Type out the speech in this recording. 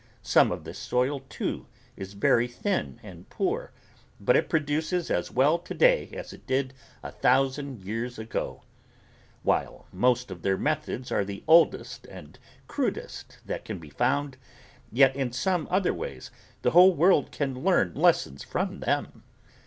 Some of this soil too is very thin and poor but it produces as well today as it did a thousand years ago. While most of their methods are the oldest and crudest that can be found, yet in some other ways the whole world can learn lessons from them.